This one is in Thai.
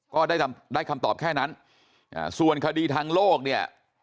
ก็ได้ได้คำตอบแค่นั้นส่วนคดีทางโลกเนี่ย